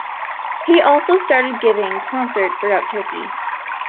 He also started giving concerts throughout Turkey.